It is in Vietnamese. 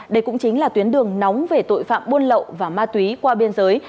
đây cũng chính là tuyến đường nóng về tội phạm buôn lậu và ma túy qua biên giới